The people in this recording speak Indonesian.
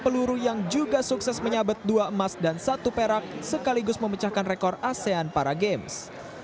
peluru yang juga sukses menyabet dua emas dan satu perak sekaligus memecahkan rekor asean para games